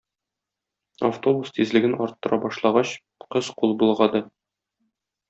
Автобус тизлеген арттыра башлагач, кыз кул болгады.